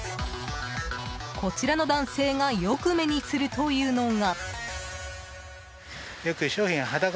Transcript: こちらの男性がよく目にするというのが。